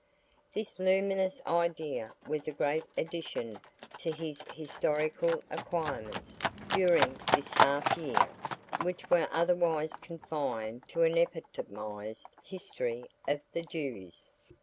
This luminous idea was a great addition to his historical acquirements during this half year, which were otherwise confined to an epitomised history of the Jews.